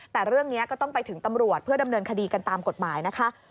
แต่เรื่องนี้ก็ต้องไปถึงตำรวจเพื่อดำเนินคดีกันตามกฎหมายนะคะ